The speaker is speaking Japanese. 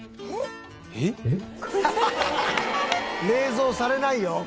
冷蔵されないよ。